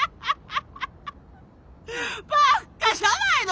バッカじゃないの！